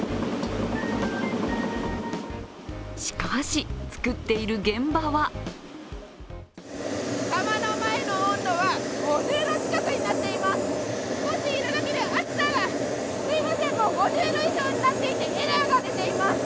しかし、作っている現場は窯の前の温度は５０度近くなっています。